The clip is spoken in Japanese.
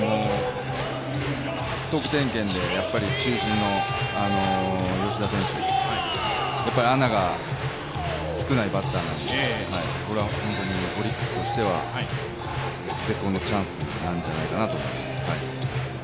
得点圏で、やっぱり中陣の吉田選手、穴が少ないバッターなので、これは本当にオリックスとしては絶好のチャンスなんじゃないかなと思います。